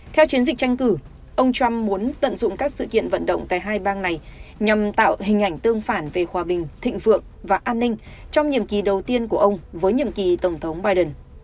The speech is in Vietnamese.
theo chiến dịch tranh cử ông trump muốn tận dụng các sự kiện vận động tại hai bang này nhằm tạo hình ảnh tương phản về hòa bình thịnh vượng và an ninh trong nhiệm kỳ đầu tiên của ông với nhiệm kỳ tổng thống biden